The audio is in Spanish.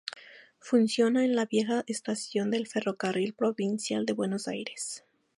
Funciona en la vieja estación del Ferrocarril Provincial de Buenos Aires.